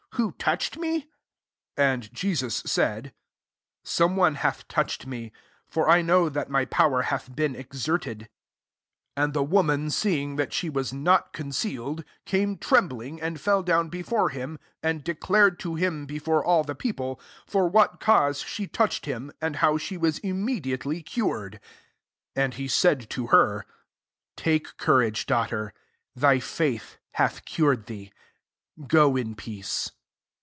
Who touched mej ?" 46 And [Jeaua^ said, " Some one hath touched me; for I kmv that my. power hath been ex* erted." 47 And the woman sec * And thej betougfht 6im. |Im. LUKE IX. iQS ing that she was not conceal edj came trembling^, and fell down before him ; and declared f/o Aim]y before all the people, for what cause she touched him, and how she. was immediately cured. 48 And he said to her, •♦ [Take courage,] daughter ; thy faith hath cured thee: go in peace."